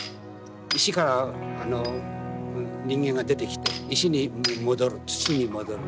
石から人間が出てきて石に戻る土に戻る。